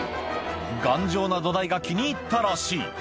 頑丈な土台が気に入ったらしい。